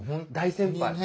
大先輩。